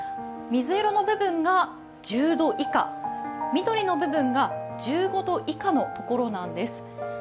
水色の部分が１０度以下、緑の部分が１５度以下の所なんです。